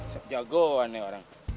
sepejagoan nih orang